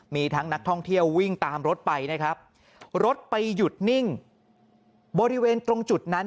มีทั้งนักท่องเที่ยววิ่งตามรถไปนะครับรถไปหยุดนิ่งบริเวณตรงจุดนั้น